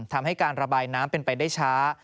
ทำให้การระบายน้ำเป็นไปได้ช้า